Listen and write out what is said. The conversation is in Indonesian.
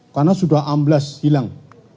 karena sudah ambles hilang